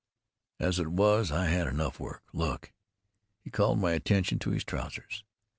As it was I had enough work. Look!" He called my attention to his trousers.